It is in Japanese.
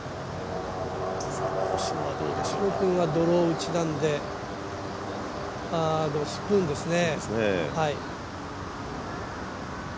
星野君はドロー打ちなのででもスプーンですね。